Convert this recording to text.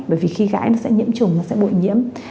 bởi vì khi gãi nó sẽ nhiễm trùng nó sẽ bội nhiễm